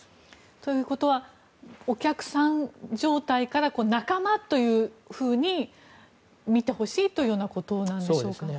ということはお客さん状態から仲間というふうに見てほしいということでしょうか。